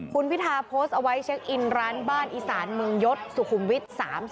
คุณพิธาโพสต์เอาไว้เช็คอินร้านบ้านอีสานเมืองยศสุขุมวิทย์๓๐